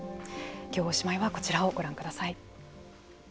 今日おしまいはこちらをご覧ください。